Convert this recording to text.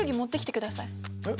えっ？